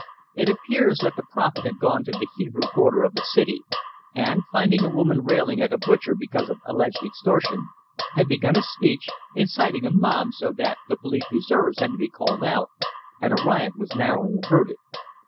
It appears that the prophet had gone to the Hebrew quarter of the city, and finding a woman railing at a butcher because of "alleged extortion," had begun a speech, inciting a mob, so that the police reserves had to be called out, and a riot was narrowly averted.